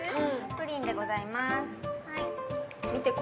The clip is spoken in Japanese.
プリンでございます。